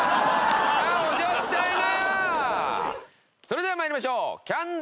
それでは参りましょう。